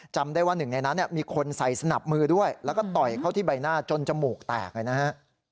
จำได้ว่าหนึ่งในนั้นมีคนใส่สนับมือด้วยแล้วก็ต่อยเข้าที่ใบหน้าจนจมูกแตกเลยนะฮะ